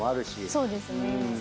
そうですね。